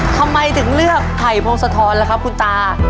ทำไมถึงเลือกไผ่พงศธรล่ะครับคุณตา